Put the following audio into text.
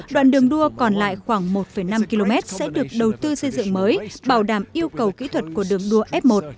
đoạn đường đua còn lại khoảng một năm km sẽ được đầu tư xây dựng mới bảo đảm yêu cầu kỹ thuật của đường đua f một